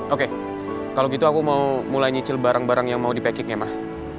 oke kalau gitu aku mau mulai nyicil barang barang yang mau di packing ya mah